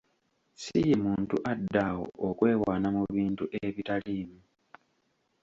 Si ye muntu addaawo okwewaana mu bintu ebitaliimu.